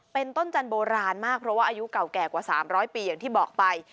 เป็นต้นจันทโบราณมากเพราะว่าอายุเก่าแก่กว่า๓๐๐ปีอย่างที่บอกไป